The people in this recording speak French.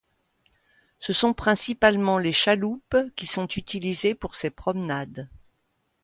Ce sont principalement les chaloupes qui sont utilisées pour ces promenades.